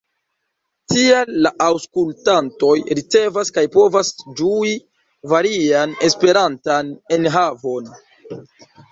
Tiel la aŭskultantoj ricevas kaj povas ĝui varian Esperantan enhavon.